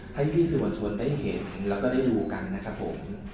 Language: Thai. ให้พี่สื่อมวลชนได้เห็นแล้วก็ได้ดูกันนะครับผม